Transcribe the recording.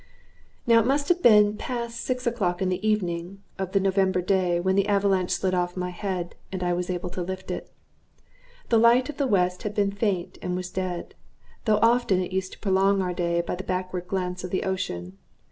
Now it must have been past six o'clock in the evening of the November day when the avalanche slid off my head, and I was able to lift it. The light of the west had been faint, and was dead; though often it used to prolong our day by the backward glance of the ocean.